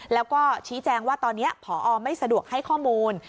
แล้วก็ชี้แจงว่าตอนนี้ผอไม่สะดวกให้ข้อมูล